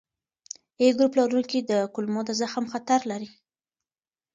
A ګروپ لرونکي د کولمو د زخم خطر لري.